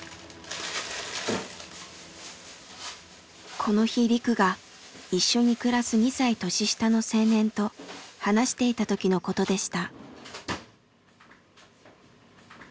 この日リクが一緒に暮らす２歳年下の青年と話していたときのことでした。